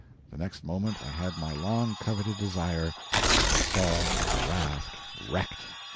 The next moment I had my long coveted desire: I saw a raft wrecked.